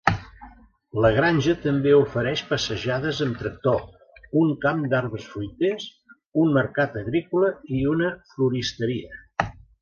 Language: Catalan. La granja també ofereix passejades amb tractor, un camp d'arbres fruiters, un mercat agrícola i una floristeria.